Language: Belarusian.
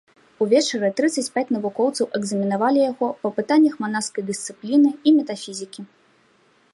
Увечары трыццаць пяць навукоўцаў экзаменавалі яго па пытаннях манаскай дысцыпліны і метафізікі.